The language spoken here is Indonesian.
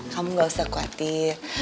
kamu gak usah khawatir